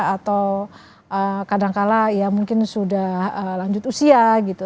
atau kadangkala ya mungkin sudah lanjut usia gitu